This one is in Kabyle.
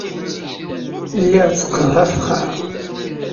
Lliɣ tteqqdeɣ afexxar.